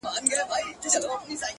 o سیاه پوسي ده؛ ورځ نه ده شپه ده؛